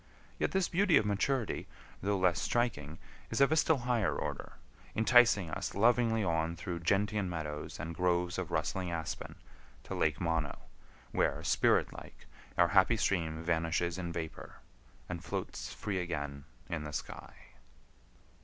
Yet this beauty of maturity, though less striking, is of a still higher order, enticing us lovingly on through gentian meadows and groves of rustling aspen to Lake Mono, where, spirit like, our happy stream vanishes in vapor, and floats free again in the sky.